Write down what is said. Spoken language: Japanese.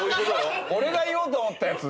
俺が言おうと思ったやつ。